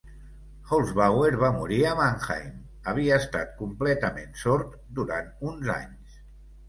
Holzbauer va morir a Mannheim, havia estat completament sord durant uns anys.